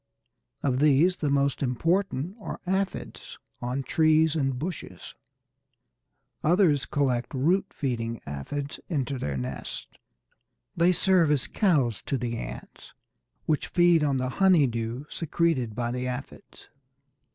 Of these the most important are Aphides on trees and bushes; others collect root feeding Aphides into their nests. They serve as cows to the ants, which feed on the honey dew secreted by the Aphides.